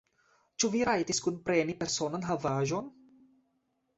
Ĉu vi rajtis kunpreni personan havaĵon?